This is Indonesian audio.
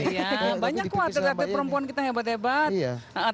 iya banyak kok atas atas perempuan kita hebat hebat